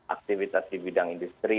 aktivitas di bidang industri